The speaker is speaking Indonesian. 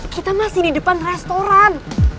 kita masih di depan restoran